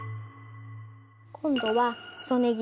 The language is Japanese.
今度は細ねぎ。